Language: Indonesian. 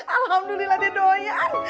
alhamdulillah dia doyan